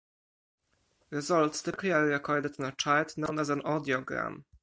Results typically are recorded on a chart known as an audiogram.